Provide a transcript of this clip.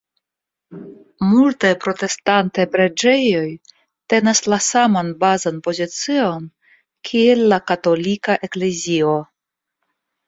Multaj protestantaj preĝejoj tenas la saman bazan pozicion kiel la katolika eklezio.